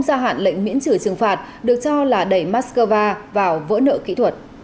gia hạn lệnh miễn trừ trừng phạt được cho là đẩy moscow vào vỡ nợ kỹ thuật